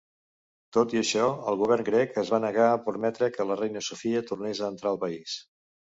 Tot i això, el govern grec es va negar a permetre que la reina Sofia tornés a entrar al país.